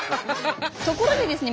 ところでですね